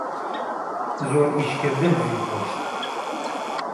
زۆر ئیشکردن ئەوی کوشت.